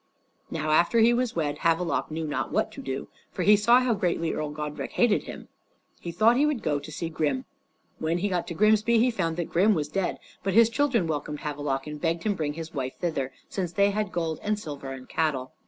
Now after he was wed, Havelok knew not what to do, for he saw how greatly Earl Godrich hated him. He thought he would go and see Grim. When he got to Grimsby he found that Grim was dead, but his children welcomed Havelok and begged him bring his wife thither, since they had gold and silver and cattle.